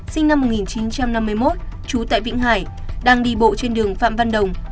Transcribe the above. sinh năm một nghìn chín trăm năm mươi một trú tại vĩnh hải đang đi bộ trên đường phạm văn đồng